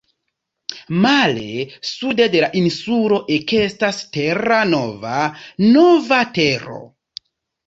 Male, sude de la insulo ekestas terra nova, nova tero.